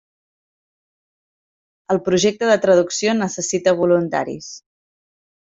El projecte de traducció necessita voluntaris.